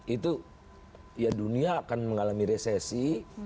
itu ya dunia akan mengalami resesi